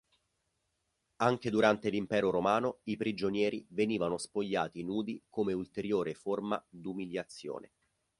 Anche durante l'impero romano i prigionieri venivano spogliati nudi come ulteriore forma d'umiliazione.